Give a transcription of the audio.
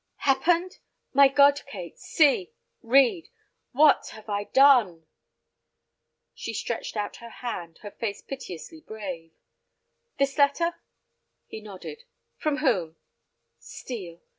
"Happened? My God, Kate, see, read!—what have I done?" She stretched out her hand, her face piteously brave. "This letter?" He nodded. "From whom?" "Steel.